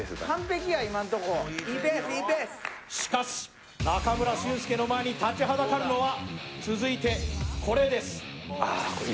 しかし、中村俊輔の前に立ちはだかるのは続いてこれです。